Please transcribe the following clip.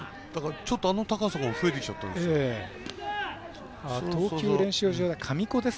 あの高さが増えてきちゃったんです。